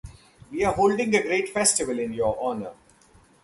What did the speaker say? We are holding a great festival in your honor.